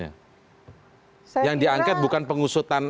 yang diangket bukan pengusutan